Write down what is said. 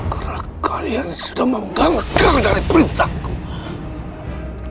karena kalian sudah mengganggang dari perintahku